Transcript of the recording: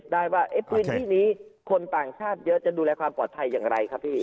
ได้ว่าพื้นที่นี้คนต่างชาติเยอะจะดูแลความปลอดภัยอย่างไรครับพี่